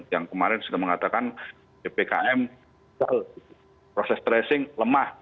yang kemarin sudah mengatakan ppkm proses tracing lemah